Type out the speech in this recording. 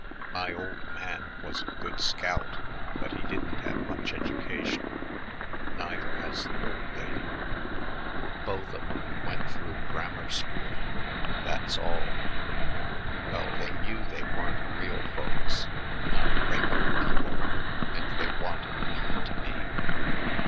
"My old man was a good scout, but he didn't have much education; neither has the old lady. Both of 'em went through grammar school; that's all." "Well, they knew they weren't real folks, not regular people, and they wanted me to be.